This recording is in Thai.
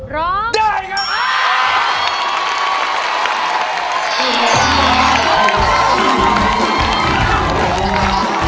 ร้องได้ครับ